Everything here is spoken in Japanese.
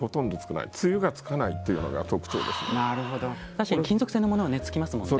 確かに金属製のものはつきますもんね。